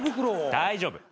大丈夫。